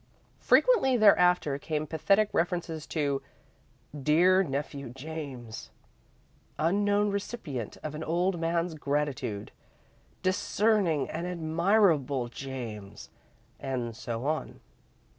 Frequently, thereafter, came pathetic references to "Dear Nephew James," "Unknown Recipient of an Old Man's Gratitude," "Discerning and Admirable James," and so on.